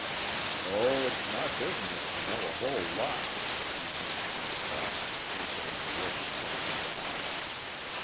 "Oh, it's my business to know a whole lot," resumed Comstock, answering the look in Thornton's eyes.